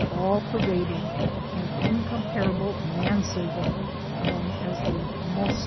all pervading, and in comparable man servant, known as the mozo.